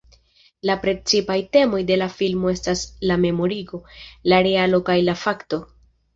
La precipaj temoj de la filmo estas la memorigo, la realo kaj la fakto.